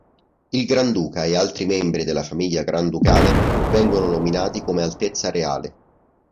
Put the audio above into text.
Il Granduca e altri membri della famiglia granducale vengono nominati come "Altezza Reale".